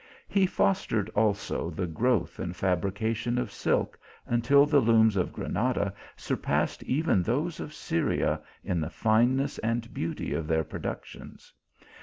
He fostered also the growth and fabrication of silk, until the looms of Granada sur passed even those of Syria in the fineness and beauty of their productions.